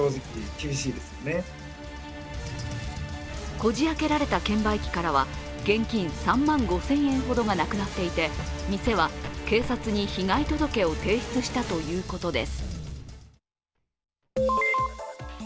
こじ開けられた券売機からは現金３万５０００円ほどがなくなっていて店は警察に被害届を提出したということです。